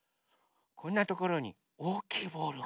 こんなところにおおきいボール。